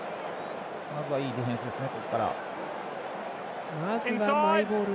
まずはいいディフェンスですね